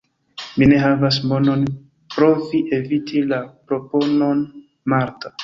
Mi ne havas monon – provis eviti la proponon Marta.